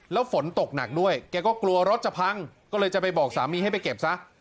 แล้วฝนตกหนักด้วยแกก็กลัวรถจะพังก็เลยจะไปบอกสามีให้ไปเก็บซะ